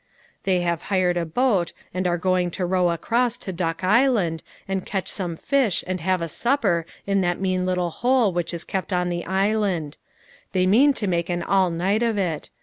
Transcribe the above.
They have hired a boat, and are going to row across to Duck Island, and catch some fish and have a supper in that mean little hole which is kept on the island ; they mean to make an all night of it.